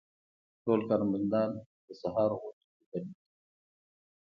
ټول کارمندان د سهار غونډې کې ګډون کوي.